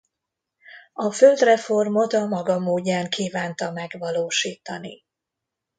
A földreformot a maga módján kívánta megvalósítani.